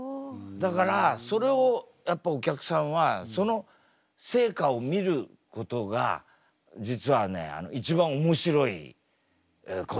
だからそれをやっぱお客さんはその成果を見ることが実はね一番面白いことなんだよ。